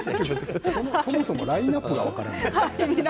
そもそもラインナップが分からない。